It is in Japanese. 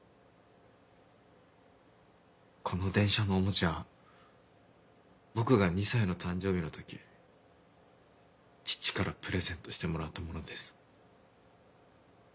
この電車のおもちゃ僕が２歳の誕生日の時父からプレゼントしてもらったものです。